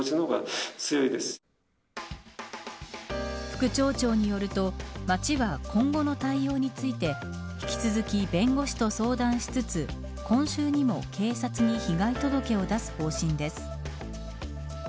副町長によると町は今後の対応について引き続き、弁護士と相談しつつ今週にも警察に被害届を出す方針です。